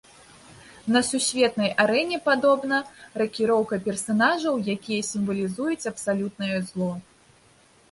На сусветнай арэне, падобна, ракіроўка персанажаў, якія сімвалізуюць абсалютнае зло.